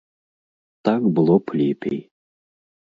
Так было б лепей.